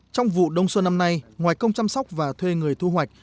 trong vụ đông xuân năm nay ngoài công chăm sóc và thuê người thu hoạch